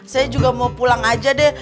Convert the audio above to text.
saya juga mau pulang aja deh